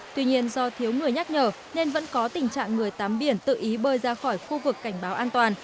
tuy nhiên do thiếu người nhắc nhở nên vẫn có tình trạng người tắm biển tự ý bơi ra khỏi khu vực cảnh báo an toàn